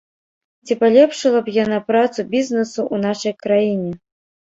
Ці палепшыла б яна працу бізнэсу ў нашай краіне?